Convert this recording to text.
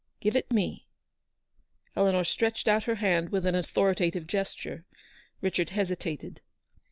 " Give it me !" Eleanor stretched out her hand with an autho ritative gesture. Richard hesitated.